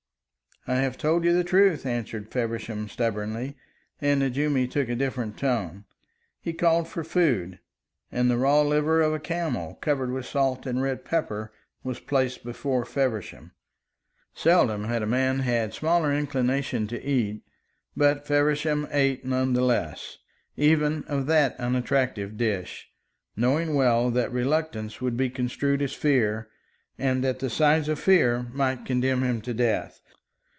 "I have told you the truth," answered Feversham, stubbornly, and Nejoumi took a different tone. He called for food, and the raw liver of a camel, covered with salt and red pepper, was placed before Feversham. Seldom has a man had smaller inclination to eat, but Feversham ate, none the less, even of that unattractive dish, knowing well that reluctance would be construed as fear, and that the signs of fear might condemn him to death.